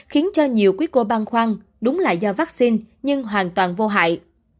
khiến cho nhiều quý cô băng khoăn đúng là do vaccine nhưng hoàn toàn vô hại